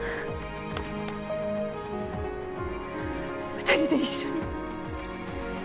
２人で一緒に。